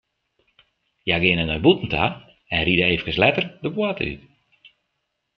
Hja geane nei bûten ta en ride eefkes letter de poarte út.